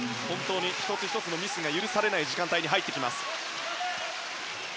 １つ１つのミスが許されない時間帯に入ってます。